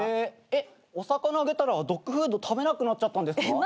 えっお魚あげたらドッグフード食べなくなっちゃったんですか？